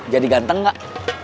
jadi ganteng gak